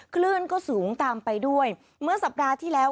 คลื่นก็สูงตามไปด้วยเมื่อสัปดาห์ที่แล้ว